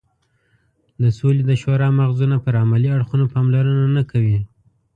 د سولې د شورا مغزونه پر عملي اړخونو پاملرنه نه کوي.